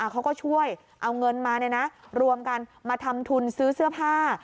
เขาก็ช่วยเอาเงินมารวมกันมาทำทุนซื้อเสื้อผ้า